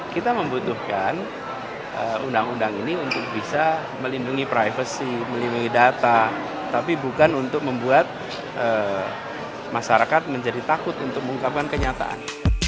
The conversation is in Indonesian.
kita membutuhkan undang undang ini untuk bisa melindungi privasi melindungi data tapi bukan untuk membuat masyarakat menjadi takut untuk mengungkapkan kenyataan